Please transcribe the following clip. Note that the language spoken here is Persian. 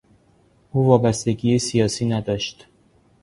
او وابستگی سیاسی نداشت.